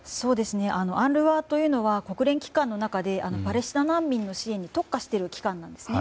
ＵＮＲＷＡというのは国連機関の中でパレスチナ難民の支援に特化している機関なんですね。